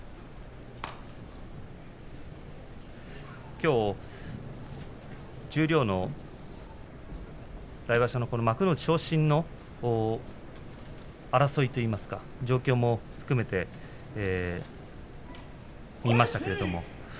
きょう十両の来場所の幕内昇進の争いと言いますか状況も含めて見ましたけれども。